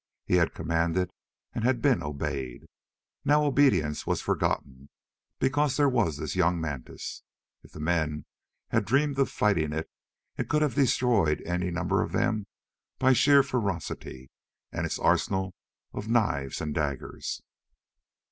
He had commanded and had been obeyed. Now obedience was forgotten because there was this young mantis. If the men had dreamed of fighting it, it could have destroyed any number of them by sheer ferocity and its arsenal of knives and daggers.